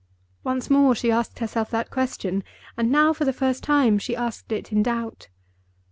Once more she asked herself that question, and now, for the first time, she asked it in doubt.